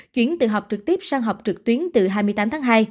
chuyển từ học trực tiếp sang học trực tuyến từ hai mươi tám tháng hai